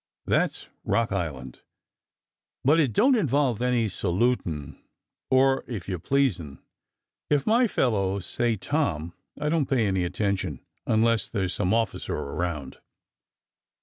That's Rock Island. But it don't involve any salutin', or 'if you pleasin'.' If my fellows say 'Tom' I don't pay any attention, unless there's some officer around."